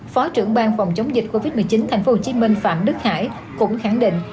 phó trưởng ban phòng chống dịch covid một mươi chín tp hcm phạm đức hải cũng khẳng định